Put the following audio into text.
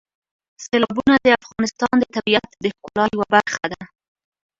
سیلابونه د افغانستان د طبیعت د ښکلا یوه برخه ده.